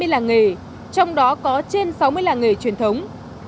một trăm hai mươi làng nghề trong đó có trên sáu mươi làng nghề truyền thống